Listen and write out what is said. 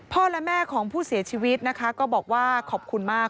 และแม่ของผู้เสียชีวิตนะคะก็บอกว่าขอบคุณมาก